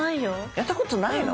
やったことないの？